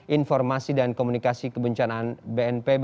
informasi dan komunikasi kebencanaan bnpb